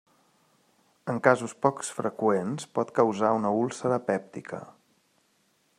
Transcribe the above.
En casos poc freqüents pot causar una úlcera pèptica.